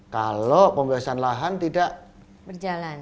kalau pembebasan lahan tidak berjalan